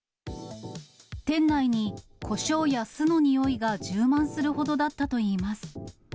店内にこしょうや酢のにおいが充満するほどだったといいます。